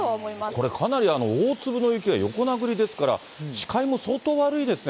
これ、かなり大粒の雪が横殴りですから、視界も相当悪いですね。